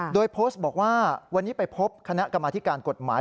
โดยโพสต์บอกว่าวันนี้ไปพบคณะกรรมธิการกฎหมาย